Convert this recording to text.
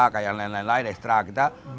kayak lain lain lain ekstra kita